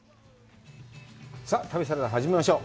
さあ旅サラダ始めましょう。